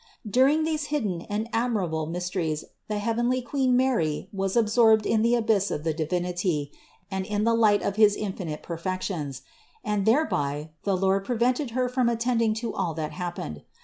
Dur ing these hidden and admirable mysteries the heavenly Queen Mary was absorbed in the abyss of the Divinity and in the light of his infinite perfections: and thereby the Lord prevented Her from attending to all that hap pened.